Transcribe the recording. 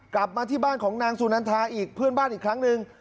กลับมาที่บ้านของนางสุนันทาอีกเพื่อนบ้านอีกครั้งหนึ่ง